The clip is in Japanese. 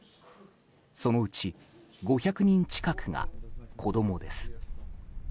そのうち５００人近くが子供です。